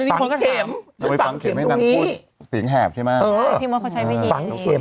ที่ตลอดฟังเข็มให้นางคุณสีแหบใช่ไหมฟังเข็ม